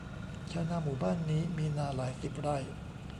ชาวนาหมู่บ้านนี้มีนาหลายสิบไร่